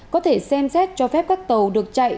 có thể xem xét cho phép các tàu được chạy